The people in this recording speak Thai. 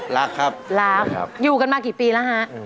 รักครับสวัสดีครับสวัสดีครับอยู่กันมากี่ปีแล้วฮะ